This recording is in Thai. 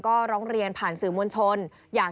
ก็ร้องเรียนผ่านสื่อมวลชน